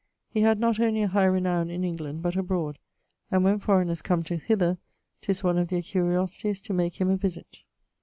He has not only a high renowne in England, but abroad; and when foreigners come to hither, 'tis one of their curiosities to make him a visit.